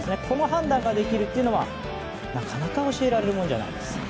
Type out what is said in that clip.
この判断ができるというのはなかなか教えられるものじゃないです。